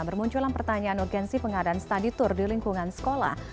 bermunculan pertanyaan urgensi pengadaan study tour di lingkungan sekolah